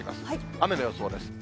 雨の予想です。